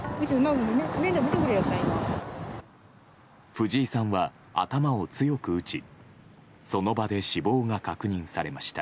藤井さんは頭を強く打ちその場で死亡が確認されました。